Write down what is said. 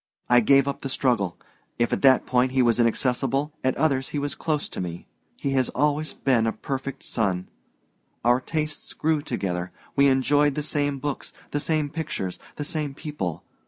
I gave up the struggle. If at that point he was inaccessible, at others he was close to me. He has always been a perfect son. Our tastes grew together we enjoyed the same books, the same pictures, the same people.